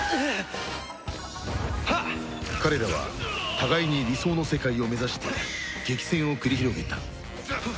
彼らは互いに理想の世界を目指して激戦を繰り広げた